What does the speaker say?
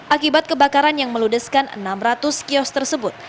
akibat kebakaran yang meludeskan enam ratus kios tersebut